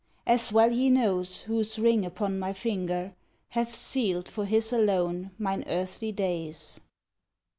As well he knows, whose ring upon my finger Hath sealed for his alone mine earthly days!"